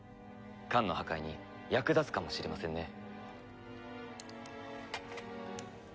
缶の破壊に役立つかもしれませんね。